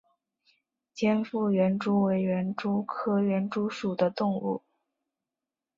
尖腹园蛛为园蛛科园蛛属的动物。